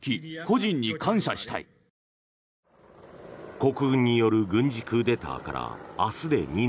国軍による軍事クーデターから明日で２年。